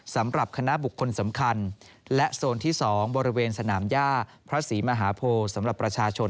สำหรับคณะบุคคลสำคัญและโซนที่๒บริเวณสนามย่าพระศรีมหาโพสำหรับประชาชน